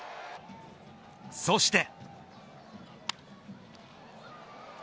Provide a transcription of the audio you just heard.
そして。